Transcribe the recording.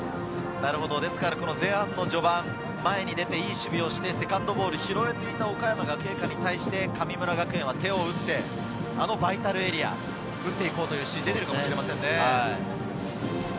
前半序盤、前に出ていい守備をして、セカンドボールを拾えていた岡山学芸館に対して、神村学園は手を打って、バイタルエリアで打っていこうという指示が出ているのかもしれません。